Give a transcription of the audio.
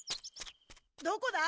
どこだ？